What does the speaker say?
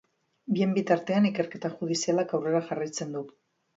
Bien bitartean, ikerketa judizialak aurrera jarraitzen du.